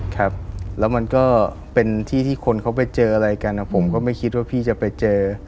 ครับแล้วมันก็เป็นที่ที่คนเขาไปเจออะไรกันผมก็ไม่คิดว่าพี่จะไปเจอ